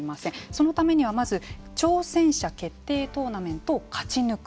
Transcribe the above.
そのためにはまず挑戦者決定トーナメントを勝ち抜く。